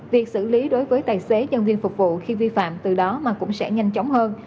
việc xử lý đối với tài xế nhân viên phục vụ khi vi phạm từ đó mà cũng sẽ nhanh chóng hơn